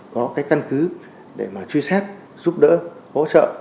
có cái căn cứ để mà truy xét giúp đỡ hỗ trợ